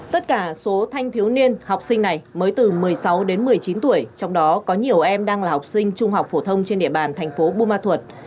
tất cả số thanh thiếu niên học sinh này mới từ một mươi sáu đến một mươi chín tuổi trong đó có nhiều em đang là học sinh trung học phổ thông trên địa bàn thành phố bù ma thuật